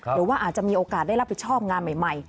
หรือว่าอาจจะมีโอกาสได้รับผิดชอบงานใหม่